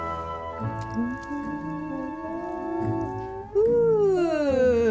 ふう。